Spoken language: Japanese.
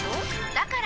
だから！